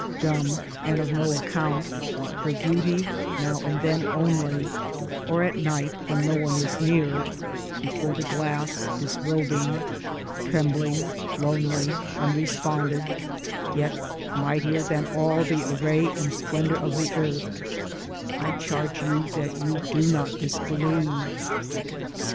Dumb and of no account, her beauty now and then only (or at night when no one is near) before the glass disrobing, trembling, lonely, unresponded — yet mightier than all the array and splendor of the Earth — I charge you that you do not disbelieve